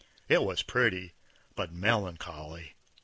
It was pretty, but melancholy.